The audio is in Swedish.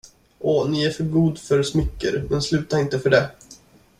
Å, ni är för god för smicker, men sluta inte för det.